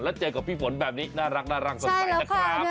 แล้วเจอกับพี่ฝนแบบนี้น่ารักสดใสนะครับ